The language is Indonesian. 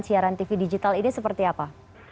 siaran tv digital ini seperti apa